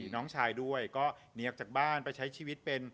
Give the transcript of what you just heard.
น้องชายด้วยก็หนีออกจากบ้านไปใช้ชีวิตเป็น